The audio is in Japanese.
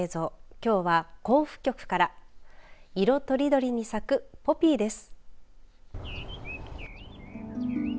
きょうは甲府局から色とりどりに咲くポピーです。